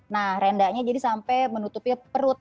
nah rendahnya jadi sampai menutupi perut